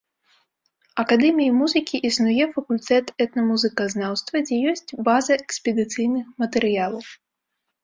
Акадэміі музыкі існуе факультэт этнамузыказнаўства, дзе ёсць база экспедыцыйных матэрыялаў.